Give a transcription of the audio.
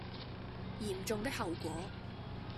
嚴重的後果